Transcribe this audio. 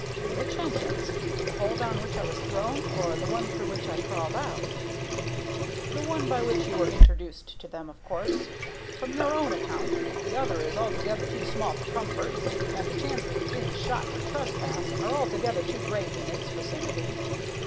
"Which entrance the hole down which I was thrown, or the one through which I crawled out?" "The one by which you were introduced to them, of course. From your own account, the other is altogether too small for comfort, and the chances of being shot for trespass are altogether too great in its vicinity."